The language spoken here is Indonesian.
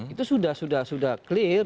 itu sudah clear